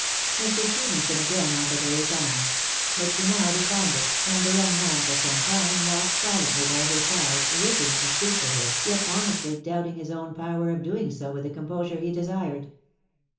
Mr. Stephenson again offered her his arm ; bat she now declined it, and the young man for some time walked silently by her side, wishing to speak to her, yet honestly doubting his own power of doing so with the composure he desired.